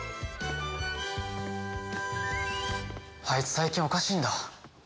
あいつ最近おかしいんだ。